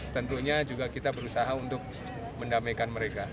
tentunya juga kita berusaha untuk mendamaikan mereka